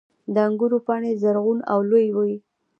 • د انګورو پاڼې زرغون او لویې وي.